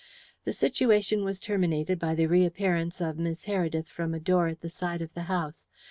The situation was terminated by the reappearance of Miss Heredith from a door at the side of the house.